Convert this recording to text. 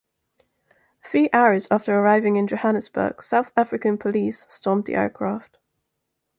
Three hours after arriving in Johannesburg, South African Police stormed the aircraft.